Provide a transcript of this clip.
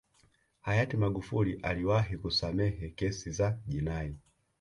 hayati magufuli aliwahi kusamehe kesi za jinai